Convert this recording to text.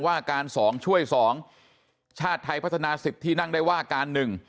ว่าการสองช่วยสองชาติไทยพัฒนาสิบที่นั่งได้ว่าการหนึ่ง